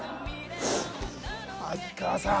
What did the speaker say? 秋川さん